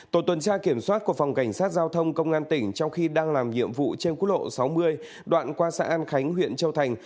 tổ tuần tra kiểm soát của phòng cảnh sát giao thông công an tỉnh trong khi đang làm nhiệm vụ trên quốc lộ sáu mươi đoạn qua xã an khánh huyện châu thành